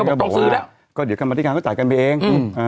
ก็บอกว่าก็เดี๋ยวประชาการก็จ่ายไปเอง